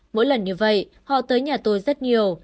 mỗi lần như vậy họ tới nhà tôi rất nhiều